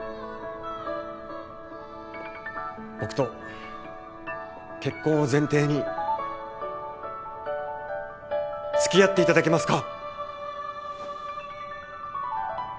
僕と結婚を前提に付き合っていただけますか？